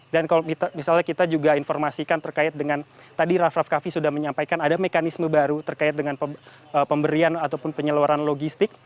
dan kalau misalnya kita juga informasikan terkait dengan tadi raff raff kavi sudah menyampaikan ada mekanisme baru terkait dengan pemberian ataupun penyeloran logistik